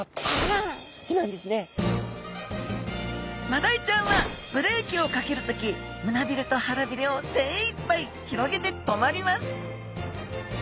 マダイちゃんはブレーキをかける時胸びれと腹びれを精いっぱい広げて止まります